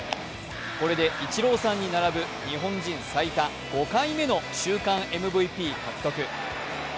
これでイチローさんに並ぶ日本人最多、５回目の週間ＭＶＰ獲得。